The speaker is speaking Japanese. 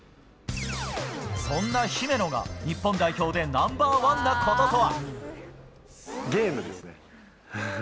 そんな姫野が日本代表でナンバーワンなこととは？